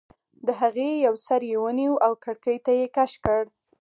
د هغې یو سر یې ونیو او کړکۍ ته یې کش کړ